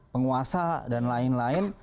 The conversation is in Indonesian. penguasa dan lain lain